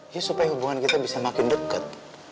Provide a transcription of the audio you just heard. ya supaya hubungan kita bisa makin dekat